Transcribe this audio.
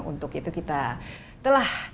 untuk itu kita telah